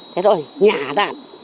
thế rồi nhả đạn